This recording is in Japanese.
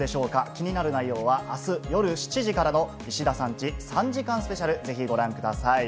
気になる内容は明日夜７時からの『石田さんチ』３時間スペシャル、ぜひご覧ください。